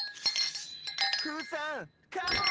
フーさんカモン！